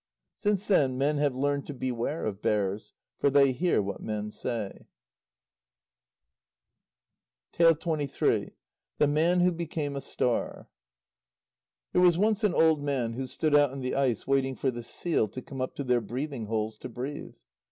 Since then, men have learned to beware of bears, for they hear what men say. THE MAN WHO BECAME A STAR There was once an old man who stood out on the ice waiting for the seal to come up to their breathing holes to breathe.